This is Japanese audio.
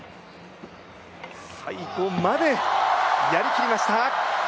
最後までやりきりました。